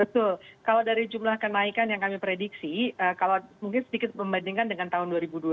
betul kalau dari jumlah kenaikan yang kami prediksi kalau mungkin sedikit membandingkan dengan tahun dua ribu dua puluh